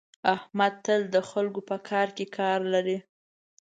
احمد تل د خلکو په کار کې کار لري.